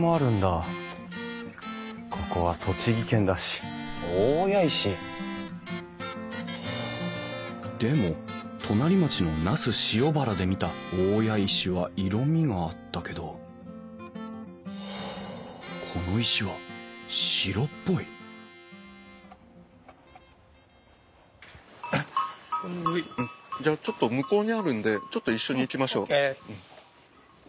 ここは栃木県だし大谷石？でも隣町の那須塩原で見た大谷石は色みがあったけどこの石は白っぽいじゃあちょっと向こうにあるんでちょっと一緒に行きましょう。